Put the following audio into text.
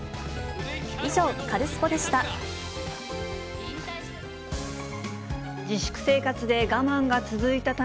以上、カルスポっ！でした。